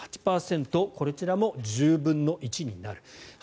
こちらも１０分の１になる。